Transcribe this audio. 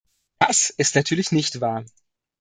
Das ist natürlich nicht wahr.